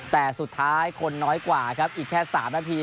แต่สุดท้ายคนน้อยกว่าครับอีกแค่๓นาที